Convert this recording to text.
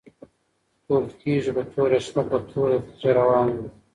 تور کيږی په توره شپه په توره تيږه روان وو